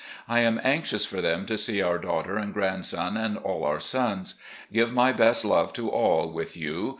I am anxious for them to see our daughter and grandson and all our sons. Give my best love to all with you.